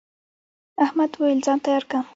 احمد وويل: ځان تیار که.